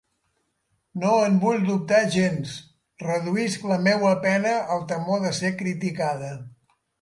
No en vull dubtar gens; reduïsc la meua pena al temor de ser criticada.